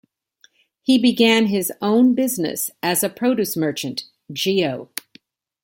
He began his own business as a produce merchant, Geo.